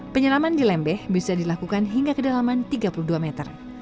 penyelaman di lembeh bisa dilakukan hingga kedalaman tiga puluh dua meter